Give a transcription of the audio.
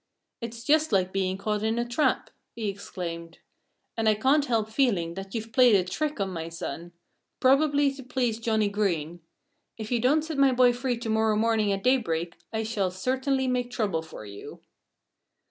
"It's just like being caught in a trap!" he exclaimed. "And I can't help feeling that you've played a trick on my son probably to please Johnnie Green.... If you don't set my boy free to morrow morning at daybreak, I shall certainly make trouble for you."